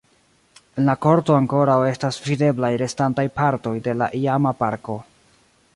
En la korto ankoraŭ estas videblaj restantaj partoj de la iama parko.